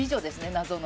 謎の。